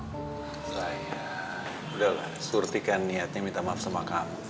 sudahlah surti kan niatnya minta maaf sama kamu